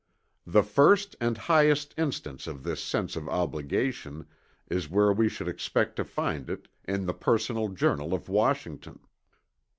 The first and highest instance of this sense of obligation is where we should expect to find it, in the personal journal of Washington.